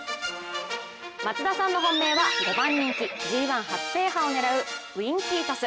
松田さんの本命は５番人気、ＧⅠ初制覇を狙うウインキートス。